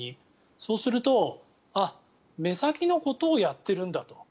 そうすると目先のことをやっているんだと。